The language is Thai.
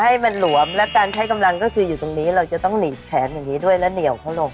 ให้มันหลวมและการใช้กำลังก็คืออยู่ตรงนี้เราจะต้องหนีบแขนอย่างนี้ด้วยและเหนียวเขาลง